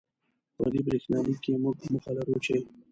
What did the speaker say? په دې برېښنالیک کې، موږ موخه لرو چې